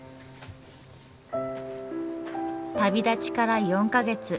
旅立ちから４か月。